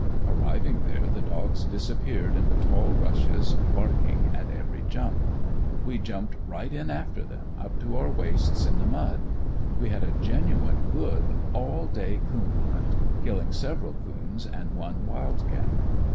Arriving there the dogs disappeared in the tall rushes barking at every jump; we jumped right in after them, up to our waists in the mud. We had a genuine good all day coon hunt, killing several coons and one wild cat.